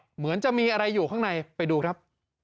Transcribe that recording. เหมือนจะมีอะไรอยู่ข้างในไปดูครับ